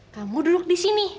kamu duduk di sini